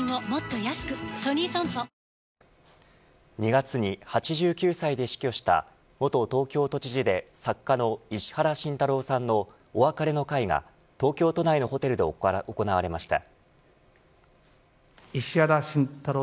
２月に８９歳で死去した元東京都知事で作家の石原慎太郎さんのお別れの会が東京都内のホテルで行われました。